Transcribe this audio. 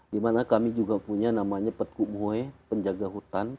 dimana kami juga punya namanya peku moe penjaga hutan